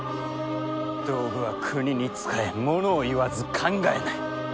道具は国に仕えものを言わず考えない。